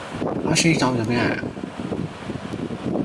你有冇紙巾呀